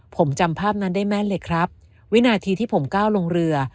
ผมจำภาพนั้นได้แม่นเลยครับวินาทีที่ผมก้าวลงเรือ